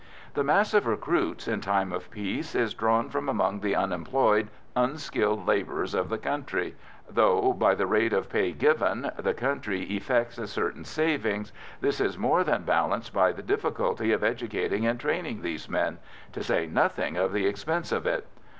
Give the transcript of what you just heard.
The mass of recruits, in time of peace, is drawn from among the unemployed unskilled labourers of the country; though, by the rate of pay given, the country effects a certain saving, this is more than balanced by the difficulty of educating and training these men to say nothing of the expense of it.